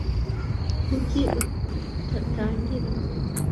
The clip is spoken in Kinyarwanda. kuki utatangira